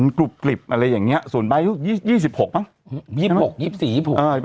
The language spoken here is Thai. มันกรุบกริบอะไรอย่างเนี้ยส่วนใบที่ยี่สิบหกมั้งยี่สิบหกยี่สิบสี่ยี่สิบหก